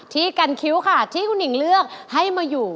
ที่กันคิ้วค่ะที่คุณหิงเลือกให้มาอยู่